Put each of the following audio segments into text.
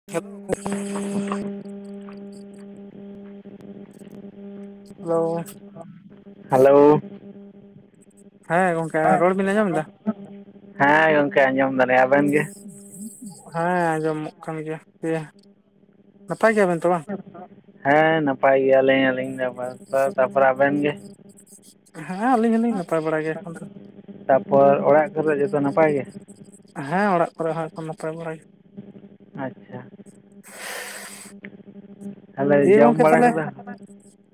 [unintelligible] Hello hello ᱦᱮᱸ ᱜᱚᱝᱠᱮ ᱨᱚᱲ ᱵᱮᱱ ᱟᱸᱡᱚᱢ ᱫᱟ? ᱦᱮᱸ ᱜᱚᱢᱠᱮ ᱟᱸᱡᱚᱢ ᱫᱟᱞᱤᱧ ᱟᱵᱮᱱ ᱜᱮ ᱦᱮᱸ ᱟᱸᱡᱚᱢᱚᱜ ᱠᱟᱱ ᱜᱮᱭᱟ ᱦᱮ ᱱᱟᱯᱟᱭ ᱜᱮᱭᱟᱵᱮᱱ ᱛᱚ ᱵᱟᱝ [unintelligible] ᱦᱮᱸ ᱱᱟᱯᱟᱭ ᱜᱮᱭᱟᱞᱤᱧ ᱟᱹᱞᱤᱧ ᱫᱚ ᱛᱟᱯᱚᱨᱮ ᱟᱵᱮᱱ ᱜᱮ ᱦᱮᱸ ᱟᱹᱞᱤᱧ ᱦᱚᱸᱞᱤᱧ ᱱᱟᱯᱟᱭ ᱵᱟᱲᱟᱟᱭ ᱜᱮᱭᱟ ᱮᱠᱷᱚᱱ ᱛᱟᱯᱚᱨ ᱚᱲᱟᱜ ᱠᱚᱨᱮ ᱡᱚᱛᱚ ᱱᱟᱯᱟᱭ ᱜᱮ ᱦᱮᱸ ᱚᱲᱟᱜ ᱠᱚᱨᱮ ᱦᱚᱸ ᱱᱟᱯᱟᱭ ᱵᱟᱲᱟ ᱜᱮ ᱟᱪᱪᱷᱟ ᱛᱟᱦᱚᱞᱮ ᱫᱤᱭᱮ ᱡᱚᱢ ᱜᱚᱢᱠᱮ ᱵᱟᱲᱟ ᱛᱟᱦᱚᱞᱮ ᱠᱮᱫᱟ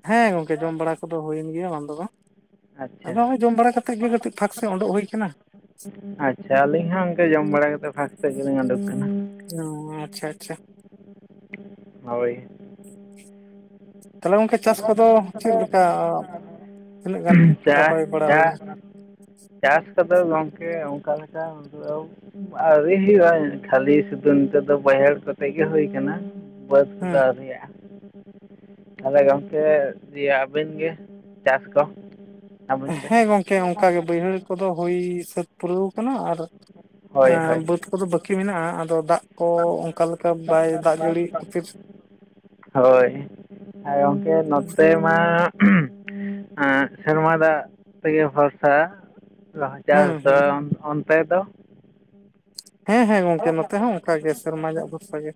ᱦᱮᱸ ᱜᱚᱢᱠᱮ ᱡᱚᱢ ᱵᱟᱲᱟ ᱠᱚᱫᱚ ᱦᱩᱭᱮᱱ ᱜᱮᱭᱟ ᱵᱟᱝ ᱫᱚ ᱵᱟᱝ ᱟᱪᱪᱷᱟ ᱟᱫᱚ ᱦᱚᱸᱜᱼᱚᱭ ᱡᱚᱢ ᱵᱟᱲᱟᱛᱮᱫ ᱜᱮ ᱠᱟᱹᱴᱤᱡ ᱯᱷᱟᱸᱠ ᱥᱮ ᱚᱰᱳ ᱦᱳᱭ ᱠᱟᱱᱟ᱾ ᱟᱪᱪᱷᱟ ᱟᱹᱞᱤᱧ ᱦᱚᱸ ᱚᱱᱠᱟ ᱡᱚᱢ ᱵᱟᱲᱟ ᱠᱟᱛᱮ ᱯᱷᱟᱸᱠ ᱥᱮᱫ ᱜᱮᱞᱤᱧ ᱚᱰᱳᱠ ᱠᱟᱱᱟ᱾ ᱚᱸᱻ ᱟᱪᱪᱷᱟ ᱟᱪᱪᱷᱟ᱾ ᱦᱳᱭ᱾ ᱛᱟᱦᱚᱞᱮ ᱜᱚᱝᱠᱮ ᱪᱟᱥ ᱱᱚᱣᱟ ᱠᱟᱛᱷᱟ ᱪᱮᱫ ᱠᱚᱫᱚ, ᱞᱮᱠᱟ ᱛᱤᱱᱟᱹᱜ ᱜᱟᱱ ᱨᱚᱦᱚᱭ ᱵᱟᱲᱟ ᱪᱟ-ᱪᱟ᱾ ᱦᱩᱭᱱᱟ ᱪᱟᱥ ᱠᱚᱫᱚ ᱜᱚᱢᱠᱮ ᱚᱱᱠᱟ ᱞᱮᱠᱟ ᱟᱹᱣᱨᱤ ᱦᱩᱭᱩᱜᱼᱟ ᱠᱷᱟᱹᱞᱤ ᱥᱩᱫᱩ ᱱᱤᱛᱚᱜ ᱫᱚ ᱵᱟᱹᱭᱦᱟᱹᱲ ᱠᱚᱛᱮᱜ ᱜᱮ ᱦᱩᱭ ᱠᱟᱱᱟ᱾ ᱵᱟᱹᱫᱽ ᱥᱮᱫ ᱦᱮᱸ ᱫᱚ ᱟᱹᱣᱨᱤᱭᱟᱜ-ᱟ ᱛᱟᱦᱞᱮ ᱠᱷᱟᱱ, ᱥᱮ ᱫᱤᱭᱮ ᱟᱹᱵᱤᱱ ᱜᱮ ᱪᱟᱥ ᱠᱚ ᱟᱹᱵᱤᱱ ᱥᱮᱫ᱾ ᱦᱮᱸ ᱜᱚᱝᱠᱮ ᱚᱱᱠᱟᱜᱮ ᱵᱟᱹᱭᱦᱟᱹᱲ ᱠᱚᱫᱚ ᱦᱩᱭ ᱥᱟᱹᱛ ᱯᱩᱨᱟᱹᱣ ᱠᱟᱱᱟ ᱟᱨ ᱦᱳᱭ ᱮᱸ ᱦᱳᱭ ᱵᱟᱹᱫᱽ ᱠᱚᱫᱚ ᱵᱟᱹᱠᱤ ᱢᱮᱱᱟᱜᱼᱟ ᱟᱫᱚ ᱫᱟᱜ ᱠᱚ ᱚᱱᱠᱟ ᱞᱮᱠᱟ ᱵᱟᱭ ᱫᱟᱜ ᱡᱟᱹᱲᱤ ᱠᱷᱟᱹᱛᱤᱨ ᱦᱳᱭ ᱟᱨ ᱜᱚᱢᱠᱮ ᱱᱚᱛᱮ ᱢᱟ ᱮᱸ ᱥᱮᱨᱢᱟ ᱫᱟᱜ ᱛᱮᱜᱮ ᱵᱷᱚᱨᱥᱟ᱾ ᱞᱟᱦᱟ ᱪᱟᱥ ᱦᱩᱸ ᱫᱚ ᱦᱩᱸ ᱚᱱ ᱚᱱᱛᱮ ᱫᱚ? ᱦᱮᱸ ᱦᱮᱸ ᱜᱚᱝᱠᱮ ᱱᱚᱛᱮ ᱦᱚᱸ ᱚᱱᱠᱟ ᱜᱮ ᱥᱮᱨᱢᱟ ᱫᱟᱜ ᱵᱷᱚᱨᱥᱟ ᱜᱮ᱾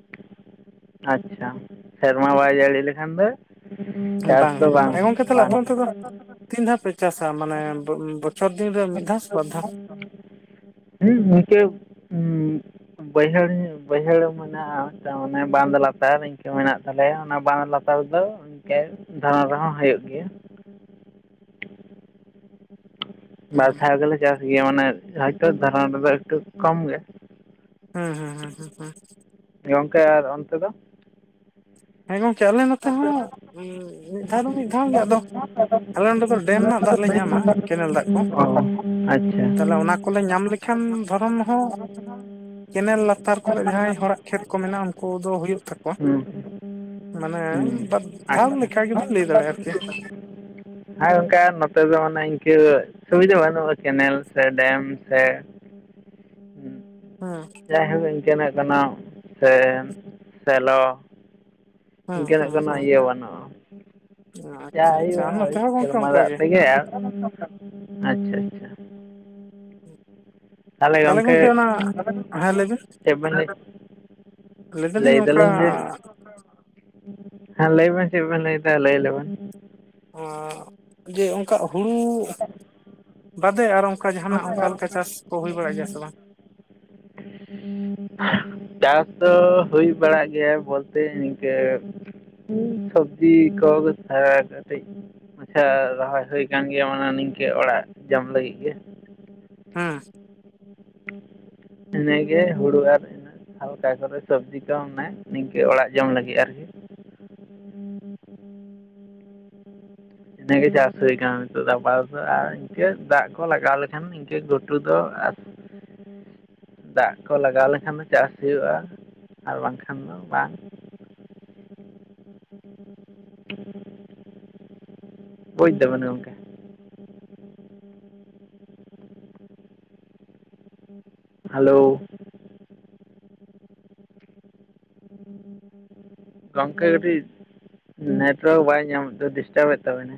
ᱟᱪᱪᱷᱟ ᱥᱮᱨᱢᱟ ᱵᱟᱭ ᱡᱟᱹᱲᱤ ᱞᱮᱠᱷᱟᱱ ᱫᱚ? ᱪᱟᱥ ᱫᱚ ᱦᱩᱭᱩᱜᱼᱟ ᱵᱟᱝ ᱦᱮᱸ ᱜᱚᱝᱠᱮ ᱛᱟᱦᱚᱞᱮ ᱵᱟᱝ ᱟᱯᱮ ᱚᱱᱛᱮ ᱫᱚ ᱛᱤᱱ ᱫᱷᱟᱣ ᱯᱮ ᱪᱟᱥᱟ ᱢᱟᱱᱮ ᱵᱚ ᱵᱚᱪᱷᱚᱨ ᱫᱤᱱ ᱨᱮ ᱢᱤᱫ ᱫᱷᱟᱣ ᱥᱮ ᱵᱟᱨ ᱫᱷᱟᱣ? [inaudible] ᱦᱩᱸ ᱤᱱᱠᱟᱹ ᱵᱟᱹᱭᱦᱟᱹᱲ ᱵᱟᱹᱭᱦᱟᱹᱲ ᱢᱮᱱᱟᱜᱼᱟ ᱢᱤᱫᱴᱟᱝ ᱢᱟᱱᱮ, ᱵᱟᱸᱫ ᱞᱟᱛᱟᱨ ᱤᱱᱠᱟᱹ ᱢᱮᱱᱟᱜ ᱛᱟᱞᱮᱭᱟ ᱚᱱᱟ ᱵᱟᱸᱫ ᱞᱟᱛᱟᱨ ᱨᱮᱫᱚ ᱤᱱᱠᱟᱹ ᱫᱷᱚᱨᱚᱱ ᱨᱮᱦᱚᱸ ᱦᱚᱭᱳᱜ ᱜᱮᱭᱟ᱾ ᱵᱟᱨ ᱫᱷᱟᱣ ᱦᱩᱸ ᱜᱮᱞᱮ ᱪᱟᱥ ᱜᱮᱭᱟ ᱢᱟᱱᱮ ᱦᱚᱭᱛᱳ ᱫᱷᱚᱨᱚᱱ ᱨᱮᱫᱚ ᱮᱠᱴᱩ ᱠᱚᱢ ᱜᱮ᱾ ᱦᱩᱸ ᱦᱩᱸ ᱦᱩᱸ ᱦᱩᱸ ᱦᱩᱸ᱾ ᱜᱚᱢᱠᱮ ᱟᱨ ᱚᱱᱛᱮ ᱫᱚ? ᱦᱮᱸ ᱜᱚᱝᱠᱮ ᱟᱞᱮ ᱱᱚᱛᱮ ᱦᱚᱸ ᱢᱤᱫ ᱫᱷᱟᱣ ᱫᱚ ᱢᱤᱫ ᱫᱷᱟᱣ ᱜᱮ ᱟᱫᱚ, ᱟᱞᱮ ᱱᱚᱸᱰᱮ ᱫᱚ ᱰᱮᱢ ᱨᱮᱱᱟᱜ ᱫᱟᱜ ᱞᱮ ᱧᱟᱢᱟ ᱠᱮᱱᱮᱞ ᱫᱟᱜ ᱠᱚ, ᱚ ᱟᱪᱪᱷᱟ ᱛᱟᱦᱞᱮ ᱚᱱᱟ ᱠᱚᱞᱮ ᱧᱟᱢ ᱞᱮ ᱠᱷᱟᱱ ᱫᱷᱚᱨᱚᱱ ᱦᱚᱸ, ᱠᱮᱱᱮᱞ ᱞᱟᱛᱟᱨ ᱠᱚᱨᱮ ᱡᱟᱦᱟᱸᱭ ᱦᱚᱲᱟᱜ ᱠᱷᱮᱛ ᱠᱚ ᱢᱮᱱᱟᱜᱼᱟ, ᱠᱩ ᱫᱚ ᱦᱩᱭᱩᱜ ᱛᱟᱠᱚᱣᱟ᱾ ᱦᱩᱸ ᱢᱟᱱᱮ ᱵᱟᱨ ᱦᱩᱸ ᱫᱷᱟᱣ ᱟᱪᱪᱷᱟ, ᱞᱮᱠᱟ ᱜᱮᱵᱤᱱ ᱞᱟᱹᱭ ᱫᱟᱲᱮᱭᱟᱜᱼᱟ ᱟᱨᱠᱤ ᱦᱮᱸ ᱜᱚᱝᱠᱮ ᱟᱨ ᱱᱚᱛᱮ ᱫᱚ ᱚᱱᱮ ᱤᱱᱠᱟᱹ᱾ ᱥᱩᱵᱤᱫᱷᱟ ᱵᱟᱹᱱᱩᱜᱼᱟ, ᱠᱮᱱᱮᱞ ᱥᱮ ᱰᱮᱢ ᱥᱮ ᱦᱩᱸ᱾ ᱡᱟᱭᱦᱳᱠ ᱤᱱᱠᱟᱹᱱᱟᱜ ᱠᱟᱱᱟ ᱥᱮ ᱥᱮᱞᱚ, ᱦᱩᱸ ᱤᱱᱠᱟᱹᱱᱟᱜ ᱦᱩᱸ ᱠᱳᱱᱳ ᱦᱩᱸ ᱤᱭᱟᱹ ᱵᱟᱹᱱᱩᱜᱼᱟ, ᱡᱟ ᱟᱪᱪᱷᱟ ᱟᱪᱪᱷᱟ ᱟᱨ ᱦᱩᱭᱩᱜ-ᱟ ᱳᱭ ᱱᱚᱛᱮ ᱦᱚᱸ ᱜᱚᱝᱠᱮ ᱥᱮᱨᱢᱟ ᱚᱱᱠᱟ ᱫᱟᱜ ᱛᱮ ᱜᱮ ᱟᱨ, ᱟᱪᱪᱷᱟ ᱟᱪᱪᱷᱟ᱾ ᱛᱟᱦᱞᱮ ᱛᱟᱦᱚᱞᱮ ᱜᱚᱝᱠᱮ ᱜᱚᱢᱠᱮ ᱚᱱᱟ ᱦᱮᱸ ᱞᱟᱹᱭ ᱪᱮᱫ ᱵᱮᱱ ᱞᱟᱹᱭ? ᱞᱟᱹᱭ ᱞᱟᱹᱭᱫᱟᱹᱞᱤᱧ ᱚᱝᱠᱟ ᱫᱟᱞᱤᱧ ᱡᱮ ᱦᱮᱸ ᱞᱟᱹᱭ ᱵᱮᱱ ᱪᱮᱫ ᱵᱮᱱ ᱞᱟᱹᱭᱫᱟ ᱞᱟᱹᱭ ᱞᱮ ᱵᱮᱱ? ᱡᱮ ᱚᱝᱠᱟ ᱦᱩᱲᱩ ᱵᱟᱫᱮ ᱟᱨᱚ ᱚᱱᱠᱟ ᱡᱟᱦᱟᱸᱱᱟᱜ ᱚᱱᱠᱟ ᱞᱮᱠᱟ ᱪᱟᱥ ᱠᱚ ᱦᱩᱭ ᱵᱟᱲᱟᱜ ᱜᱮᱭᱟ ᱥᱮ ᱵᱟᱝ? [inaudible] ᱪᱟᱥ ᱫᱚ ᱦᱩᱭ ᱵᱟᱲᱟᱜ ᱜᱮᱭᱟ ᱵᱚᱞᱛᱮ ᱤᱱᱠᱟᱹ᱾ ᱥᱚᱵᱽᱡᱤ ᱠᱚ, ᱦᱮᱸ ᱠᱟᱹᱴᱤᱡ᱾ ᱟᱪᱪᱷᱟ ᱨᱚᱦᱚᱭ ᱦᱩᱭ ᱠᱟᱱ ᱜᱮᱭᱟ ᱢᱟᱱᱮ ᱱᱤᱝᱠᱟᱹ ᱚᱲᱟᱜ ᱡᱚᱢ ᱞᱟᱹᱜᱤᱫ ᱜᱮ᱾ ᱦᱩᱸ᱾ ᱤᱱᱟᱹᱜᱮ ᱦᱩᱲᱩ ᱟᱨ ᱤᱱᱟᱹᱜ ᱦᱟᱞᱠᱟ ᱠᱚᱨᱮ ᱥᱚᱵᱽᱡᱤ ᱠᱚ ᱚᱱᱮ ᱱᱤᱝᱠᱟᱹ ᱚᱲᱟᱜ ᱡᱚᱢ ᱞᱟᱹᱜᱤᱫ ᱟᱨᱠᱤ, ᱤᱱᱟᱹᱜᱮ ᱪᱟᱥ ᱦᱩᱭ ᱟᱠᱟᱱᱟ ᱱᱤᱛᱚᱜ ᱫᱚ ᱟᱯᱟ ᱛᱚᱛᱚ᱾ ᱟᱨ ᱤᱱᱠᱟᱹ ᱫᱟᱜ ᱠᱚ ᱞᱟᱜᱟᱣ ᱞᱮᱠᱷᱟᱱ ᱤᱱᱠᱟᱹ ᱜᱷᱩᱴᱩ ᱫᱚ ᱟᱨ ᱫᱟᱜ ᱠᱚ ᱞᱟᱜᱟᱣ ᱞᱮᱠᱷᱟᱱ ᱪᱟᱥ ᱦᱩᱭᱩᱜ-ᱟ ᱟᱨ ᱵᱟᱝᱠᱷᱟᱱ ᱫᱚ ᱵᱟᱝ᱾ ᱵᱩᱡ ᱫᱟᱵᱮᱱ ᱜᱚᱝᱠᱮ᱾ ᱦᱮᱞᱳ, [unintelligible] ᱜᱚᱝᱠᱮ ᱠᱟᱹᱴᱤᱡ ᱱᱮᱴᱚᱣᱟᱨᱠ ᱵᱟᱭ ᱧᱟᱢᱮᱫ ᱛᱮ ᱰᱤᱥᱴᱟᱵᱮᱫ ᱛᱟᱵᱮᱱᱟ᱾